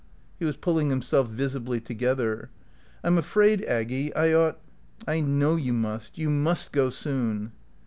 He was pulling himself visibly together. "I'm afraid, Aggy, I ought " "I know you must. You must go soon."